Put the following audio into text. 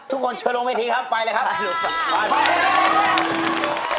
ทุกคนเชิญลงเวทีครับไปเลยครับ